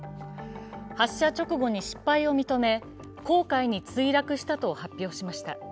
発射直後に失敗を認め黄海に墜落したと発表しました。